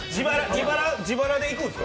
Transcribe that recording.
自腹でいくんですか？